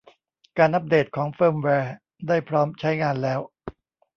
การอัพเดตของเฟิร์มแวร์ได้พร้อมใช้งานแล้ว